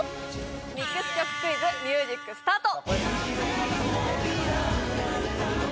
ミックス曲クイズミュージックスタート！